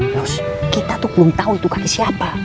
lus kita tuh belum tau itu kaki siapa